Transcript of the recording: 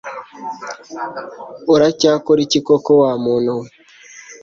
uracyakora iki koko wa muntu we?